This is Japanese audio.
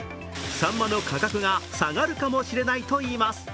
さんまの価格が下がるかもしれないといいます